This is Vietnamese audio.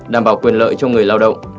đảm bảo quyền lợi cho người lao động